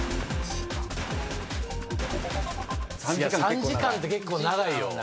３時間って結構長いよ。